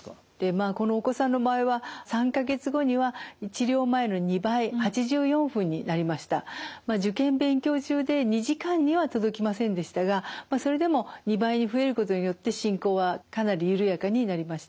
まあこのお子さんの場合は３か月後には受験勉強中で２時間には届きませんでしたがそれでも２倍に増えることによって進行はかなり緩やかになりました。